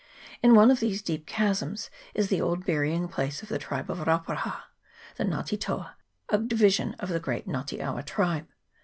In one of these deep chasms is the old bury ing place of the tribe of Rauparaha, the Nga te toa, a division of the great Nga te awa tribe.